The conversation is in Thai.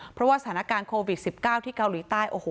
เพราะว่าสถานการณ์โควิด๑๙ที่เกาหลีใต้โอ้โห